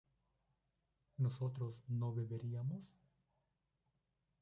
¿nosotros no beberíamos?